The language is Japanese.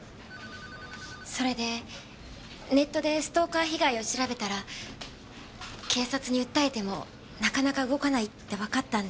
それでネットでストーカー被害を調べたら警察に訴えてもなかなか動かないってわかったんで。